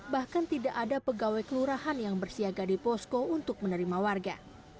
bahkan tidak ada pegawai kelurahan yang bersiaga di posko untuk menerima warga